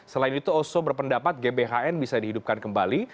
selain itu oso berpendapat gbhn bisa dihidupkan kembali